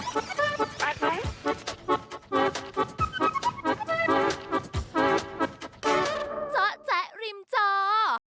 จัดเต็มคาราเบลเวรี่เวลทุกเทศกาล